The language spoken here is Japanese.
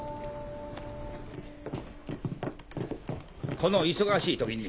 この忙しい時に。